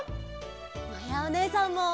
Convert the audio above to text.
まやおねえさんも！